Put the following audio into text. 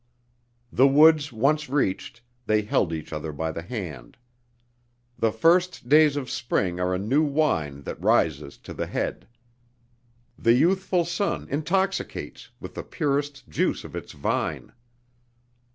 The woods once reached, they held each other by the hand. The first days of spring are a new wine that rises to the head. The youthful sun intoxicates with the purest juice of its vine.